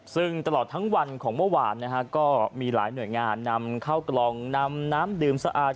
ซึ่งตลอดทั้งวันของเมื่อวานนะฮะก็มีหลายหน่วยงานนำเข้ากล่องนำน้ำดื่มสะอาด